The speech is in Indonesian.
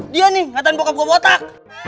dia nih katain bokap gue botak